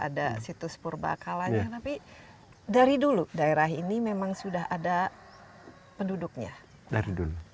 ada situs purba kalanya tapi dari dulu daerah ini memang sudah ada penduduknya dari dulu